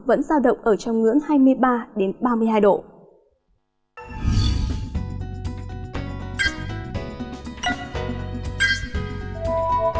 vẫn dao động ở trong ngưỡng hai mươi ba đến ba mươi hai độ